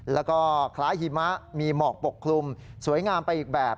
แล้วก็คล้ายหิมะมีหมอกปกคลุมสวยงามไปอีกแบบ